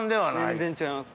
全然違います。